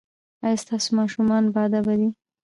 ایا ستاسو ماشومان باادبه دي؟